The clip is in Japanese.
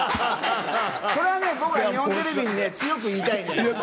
これはね、僕は日本テレビにね、強く言いたいね。